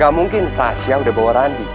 gak mungkin tasya sudah bawa randy